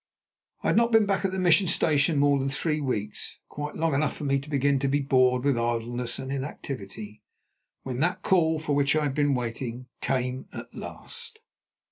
I had not been back at the Mission Station more than three weeks, quite long enough for me to begin to be bored with idleness and inactivity, when that call for which I had been waiting came at last.